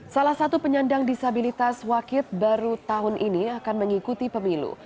salah satu penyandang disabilitas wakit baru tahun ini akan mengikuti pemilu